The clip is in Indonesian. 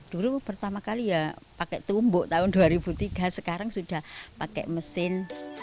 dulu pertama kali ya pakai tumbuk tahun dua ribu tiga sekarang sudah pakai mesin